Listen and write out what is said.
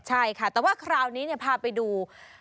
ใช่ค่ะแต่ว่าคราวนี้พาไปดู